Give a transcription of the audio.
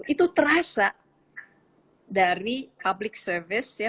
itu terasa dari public service ya